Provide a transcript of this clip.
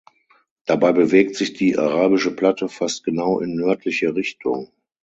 Dabei bewegt sich die Arabische Platte fast genau in nördliche Richtung.